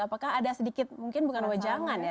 apakah ada sedikit mungkin bukan wejangan ya